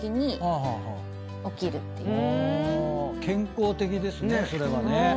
健康的ですねそれはね。